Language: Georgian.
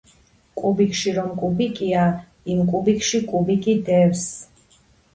კუბიკში რომ კუბიკია, იმ კუბიკში კუბიკი დევს.